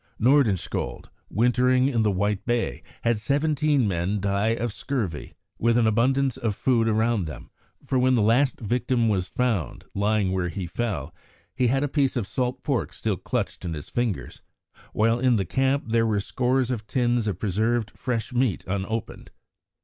Nordenskjold, wintering in White Bay, had seventeen men die of scurvy, with an abundance of food around them, for when the last victim was found, lying where he fell, he had a piece of salt pork still clutched in his fingers, while in the camp there were scores of tins of preserved fresh meat unopened.